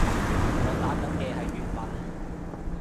我打緊嘅係粵文